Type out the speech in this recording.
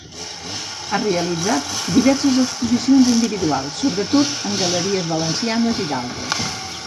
Ha realitzat diverses exposicions individuals, sobretot en galeries valencianes, i d'altres col·lectives.